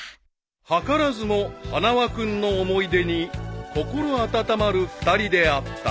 ［図らずも花輪君の思い出に心温まる２人であった］